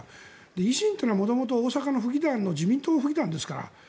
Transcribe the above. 維新というのは元々大阪の自民党府議団ですから。